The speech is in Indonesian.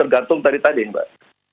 gantung dari tadi mbak